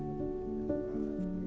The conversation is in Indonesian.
mereka bisa melihat keadaan mereka sendiri